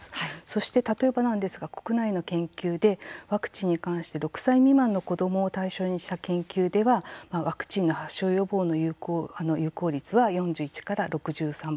そして、例えばなんですが国内の研究で、ワクチンに関して６歳未満の子どもを対象にした研究では、ワクチンの発症予防の有効率は４１から６３％。